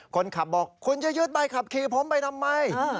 คนขับบอกคุณจะยึดใบขับขี่ผมไปทำไม